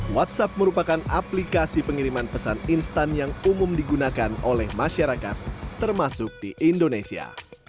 whatsapp merupakan aplikasi pengiriman pesan instan yang umum digunakan oleh masyarakat termasuk di indonesia